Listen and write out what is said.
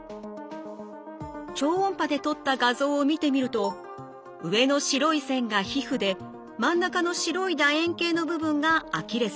超音波で撮った画像を見てみると上の白い線が皮膚で真ん中の白いだ円形の部分がアキレス腱。